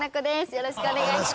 よろしくお願いします！